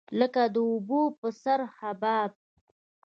لکه د اوبو په سر حباب.